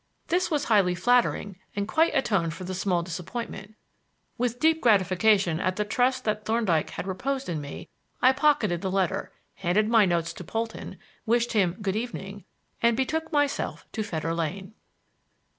This was highly flattering and quite atoned for the small disappointment; with deep gratification at the trust that Thorndyke had reposed in me, I pocketed the letter, handed my notes to Polton, wished him "Good evening," and betook myself to Fetter Lane.